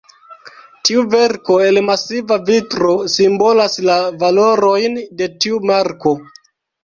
Tiu verko el masiva vitro simbolas la valorojn de tiu marko.